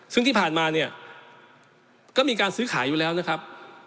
ซึ่งที่ผ่านมาเนี่ยก็มีการซื้อขายอยู่แล้วนะครับ